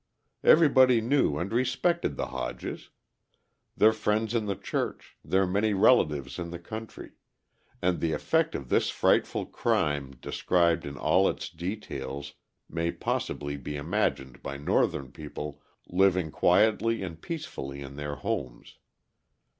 Everybody knew and respected the Hodges their friends in the church, their many relatives in the county and the effect of this frightful crime described in all its details, may possibly be imagined by Northern people living quietly and peacefully in their homes.